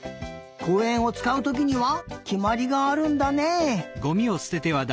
こうえんをつかうときにはきまりがあるんだね。